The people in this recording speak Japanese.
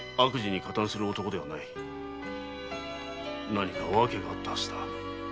何か訳があったはずだ。